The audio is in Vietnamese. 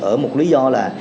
ở một lý do là